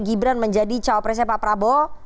gibran menjadi cawapresnya pak prabowo